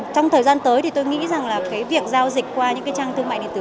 trong thời gian tới thì tôi nghĩ rằng là cái việc giao dịch qua những cái trang thương mại điện tử